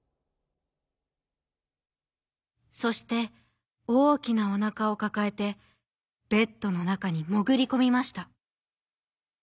そしておおきなおなかをかかえてベッドのなかにもぐりこみました。